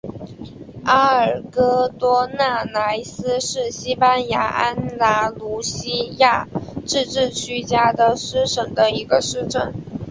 阿尔戈多纳莱斯是西班牙安达卢西亚自治区加的斯省的一个市镇。